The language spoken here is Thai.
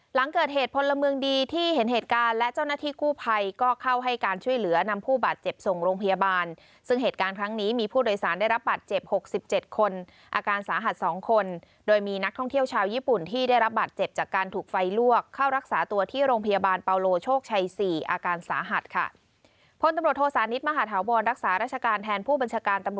หลังเกิดเหตุพลเมืองดีที่เห็นเหตุการณ์และเจ้าหน้าที่คู่ภัยก็เข้าให้การช่วยเหลือนำผู้บาดเจ็บส่งโรงพยาบาลซึ่งเหตุการณ์ครั้งนี้มีผู้โดยสารได้รับบาดเจ็บ๖๗คนอาการสาหัส๒คนโดยมีนักท่องเที่ยวชาวยิปุ่นที่ได้รับบาดเจ็บจากการถูกไฟลวกเข้ารักษาตัวที่โรงพยาบาลปาโลโชคชัย๔